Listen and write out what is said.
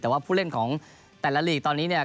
แต่ว่าผู้เล่นของแต่ละลีกตอนนี้เนี่ย